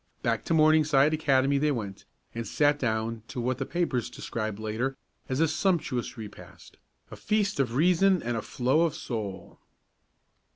Back to Morningside Academy they went, and sat down to what the papers described later as a "sumptuous repast; a feast of reason and a flow of soul."